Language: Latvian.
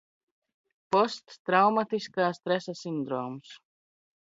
Posttraumatisk? stresa sindroms.